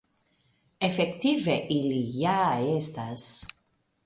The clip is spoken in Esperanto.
Efektive ili ja estas.